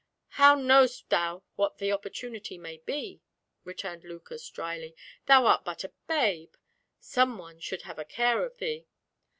"How knowst thou what the opportunity may be?" returned Lucas, drily. "Thou art but a babe! Some one should have a care of thee.